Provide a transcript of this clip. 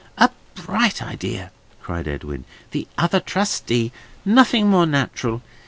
"A bright idea!" cried Edwin. "The other trustee. Nothing more natural.